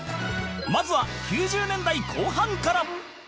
まずは９０年代後半から